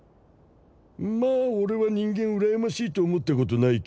まあ俺は人間羨ましいと思ったことないけど。